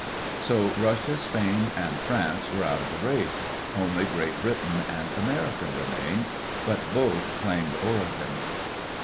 So Russia, Spain, and France were out of the race. Only Great Britain and America remained — but both claimed Oregon.